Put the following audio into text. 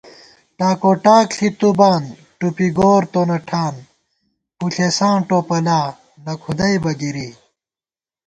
ٹاکوٹاک ݪِی تُوبان، ٹُوپی گور تونہ ٹھان ✿ پُݪېساں ٹوپَلا ، نہ کُھدَئیبہ گِری